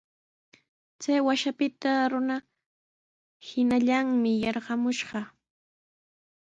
Chay wasipita runa hinallanmi yarqamushqa.